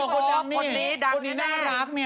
คนนี้ดังแน่